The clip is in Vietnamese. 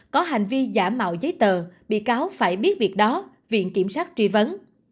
có hành vi giả mạo giấy tờ bị cáo phải biết việc đó viện kiểm sát truy vấn